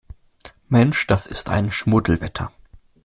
Mensch, ist das ein Schmuddelwetter!